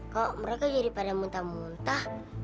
kok mereka jadi pada muntah muntah